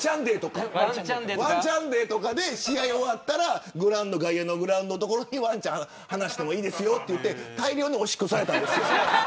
ワンちゃんデーとかで試合が終わったら外野のグラウンドにワンちゃん放していいですよと言われて大量におしっこされた。